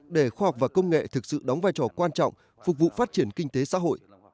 để khoa học và công nghệ thực sự đóng vai trò quan trọng phục vụ phát triển kinh tế xã hội